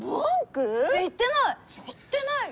言ってない！